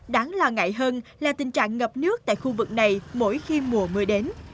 đáng lo ngại hơn là tình trạng ngập nước tại khu vực này mỗi khi mùa mưa đến